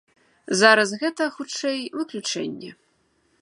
Зараз гэта, хутчэй, выключэнне.